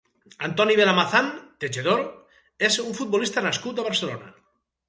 Antoni Velamazán Tejedor és un futbolista nascut a Barcelona.